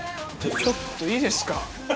ちょっといいですか？